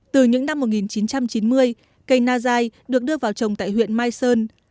từ những năm một nghìn chín trăm chín mươi cây na dài được đưa vào trồng tại huyện mai sơn